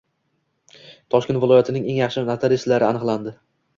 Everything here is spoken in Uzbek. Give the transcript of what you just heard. Toshkent viloyatining eng yaxshi notariuslari aniqlandi